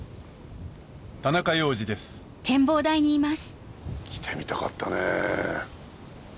田中要次です来てみたかったねぇ。